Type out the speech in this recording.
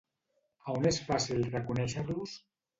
A on és fàcil reconèixer-los?